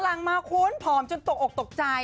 หลังมาคุ้นผอมจนตกออกตกใจ